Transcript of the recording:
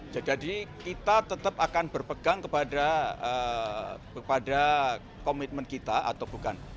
jadi kita tetap akan berpegang kepada komitmen kita atau bukan